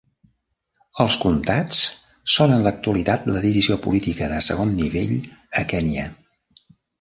Els comtats són en l'actualitat la divisió política de segon nivell a Kènia.